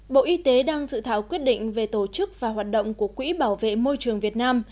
bộ y tế đang dự thảo quyết định về tổ chức và hoạt động của quỹ bảo vệ môi trường việt nam